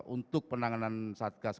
untuk penanganan satgas